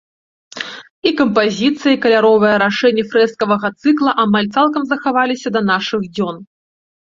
І кампазіцыя, і каляровае рашэнне фрэскавага цыкла амаль цалкам захаваліся да нашых дзён.